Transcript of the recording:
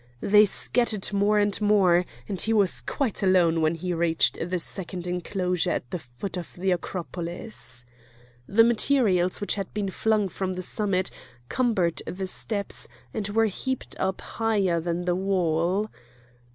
They scattered more and more, and he was quite alone when he reached the second enclosure at the foot of the Acropolis. The materials which had been flung from the summit cumbered the steps and were heaped up higher than the wall.